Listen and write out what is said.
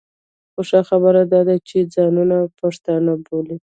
خو ښه خبره دا ده چې ځانونه پښتانه بولي.